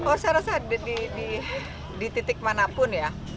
oh saya rasa di titik manapun ya